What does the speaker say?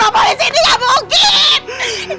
pak polis ini gak mungkin